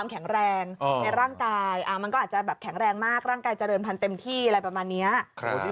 เห้ยมันจะเป็นไปได้เหรอวะพอเลยถามผู้หญิง